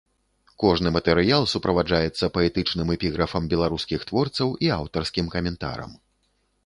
Кожны матэрыял суправаджаецца паэтычным эпіграфам беларускіх творцаў і аўтарскім каментарам.